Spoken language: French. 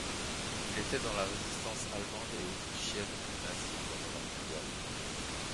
Elle était dans la résistance allemande et autrichienne aux nazis pendant la mondiale.